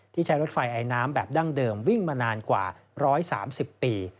ใช้รถไฟไอน้ำแบบดั้งเดิมวิ่งมานานกว่า๑๓๐ปี